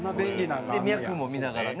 で脈も見ながらね。